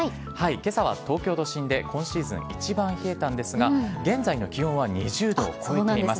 けさは東京都心で今シーズン一番冷えたんですが、現在の気温は２０度を超えています。